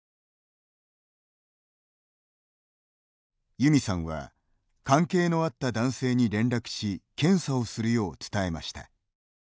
ユミさんは関係のあった男性に連絡し検査をするよう伝えました。